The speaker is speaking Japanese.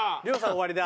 終わりだ。